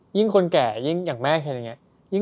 ยิ่งคนแก่ยิ่งอย่างแม่แบบนี้